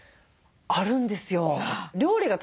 あるんですよ。